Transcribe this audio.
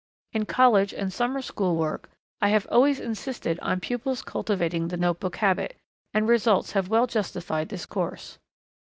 In college and summer school work I have always insisted on pupils cultivating the notebook habit, and results have well justified this course.